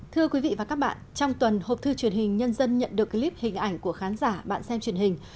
thưa quý vị và các bạn trong tuần hộp thư truyền hình nhân dân nhận được clip hình ảnh của khán giả bạn xem truyền hình